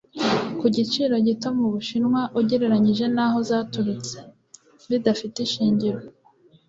ku giciro gito mu Bushinwa ugereranyije n'aho zaturutse, bidafite ishingiro.